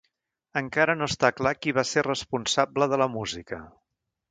Encara no està clar qui va ser responsable de la música.